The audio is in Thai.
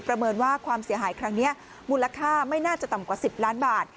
เมินว่าความเสียหายครั้งนี้มูลค่าไม่น่าจะต่ำกว่า๑๐ล้านบาท